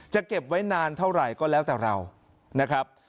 เก็บไว้นานเท่าไหร่ก็แล้วแต่เรานะครับ